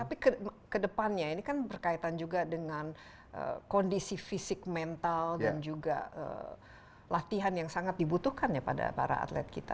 tapi kedepannya ini kan berkaitan juga dengan kondisi fisik mental dan juga latihan yang sangat dibutuhkan ya pada para atlet kita